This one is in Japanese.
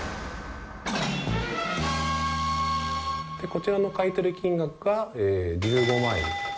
こちらの買取金額が１５万円。